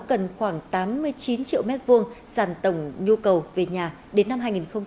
cần khoảng tám mươi chín triệu m hai sàn tổng nhu cầu về nhà đến năm hai nghìn hai mươi